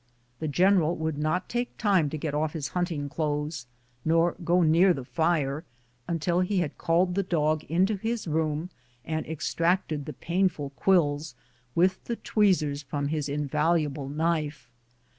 Tlie general would not take time to get off his hunting clothes nor go near the fire until he had called the dog into his room and ex tracted the painful quills with the tweezers from his invaluable knife.